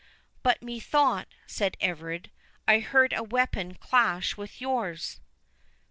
"But methought," said Everard, "I heard a weapon clash with yours?"